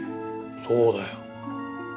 そうだよ。